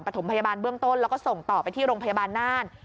ถมพยาบาลเบื้องต้นแล้วก็ส่งต่อไปที่โรงพยาบาลน่าน